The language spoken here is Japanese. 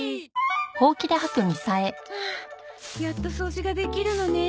はあやっと掃除ができるのね。